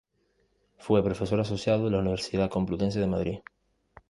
Fue profesor asociado de la Universidad Complutense de Madrid.